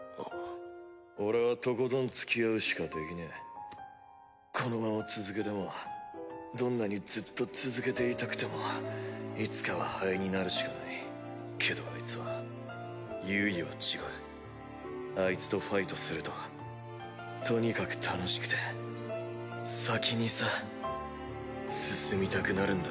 俺はとことんつきあうしかできねえこのまま続けてもどんなにずっと続けていたくてもいつかは灰になるしかないけどアイツはユウユは違うアイツとファイトするととにかく楽しくて先にさ進みたくなるんだ。